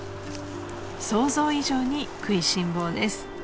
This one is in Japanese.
［想像以上に食いしん坊です］